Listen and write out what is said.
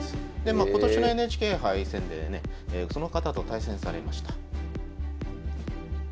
今年のＮＨＫ杯戦でねその方と対戦されました。